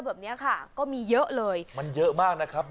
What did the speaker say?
แบบนี้ค่ะก็มีเยอะเลยมันเยอะมากนะครับ